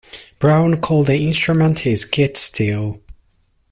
Brown called the instrument his "guit-steel".